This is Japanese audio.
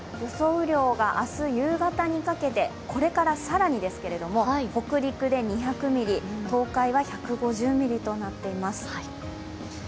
雨量が明日夕方にかけて、これから更にですけど北陸で２００ミリ、東海は１５０ミリとなっています。